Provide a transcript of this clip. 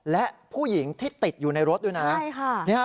และผู้หญิงที่ติดอยู่ในรถดูนะ